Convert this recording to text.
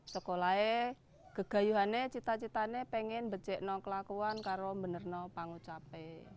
sekolah yang gaya cita citanya ingin bekerja dan berkelakuan karena benar benar pengucap